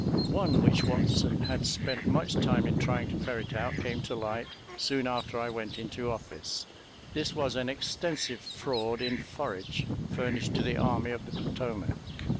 One which Watson had spent much time in trying to ferret out came to light soon after I went into office. This was an extensive fraud in forage furnished to the Army of the Potomac.